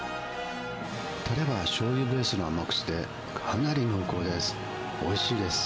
たれはしょうゆベースの甘口で、かなり濃厚です。